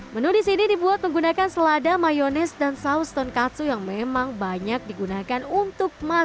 menu di sini dibuat menggunakan selada mayonis dan saus ton katsu yang memang banyak digunakan untuk makanan